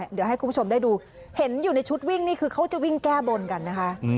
เดี๋ยวให้คุณผู้ชมได้ดูเห็นอยู่ในชุดวิ่งนี่คือเขาจะวิ่งแก้บนกันนะคะ